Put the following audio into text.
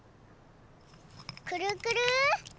くるくる。